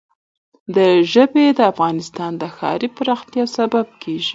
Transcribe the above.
ژبې د افغانستان د ښاري پراختیا یو سبب کېږي.